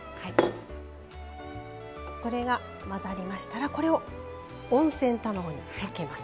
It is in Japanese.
これが混ざりましたらこれを温泉卵にかけます。